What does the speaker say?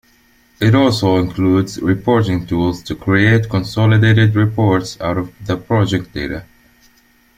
It also includes reporting tools to create consolidated reports out of the project data.